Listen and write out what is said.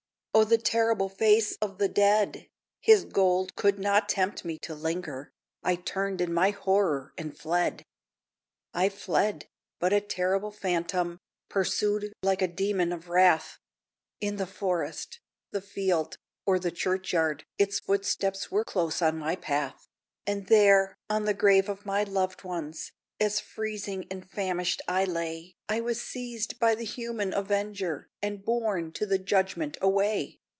O, the terrible face of the dead! His gold could not tempt me to linger I turned in my horror, and fled! I fled, but a terrible phantom Pursued like a demon of wrath; In the forest, the field, or the churchyard, Its footsteps were close on my path; And there, on the grave of my loved ones, As freezing and famished I lay, I was seized by the human avenger, And borne to the judgment away!